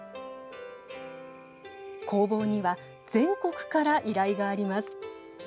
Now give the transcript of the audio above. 工房には全国から依頼があります。